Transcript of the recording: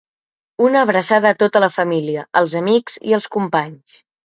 Una abraçada a tota la família, als amics i als companys.